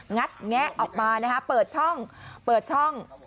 ัดแงะออกมานะฮะเปิดช่องเปิดช่อง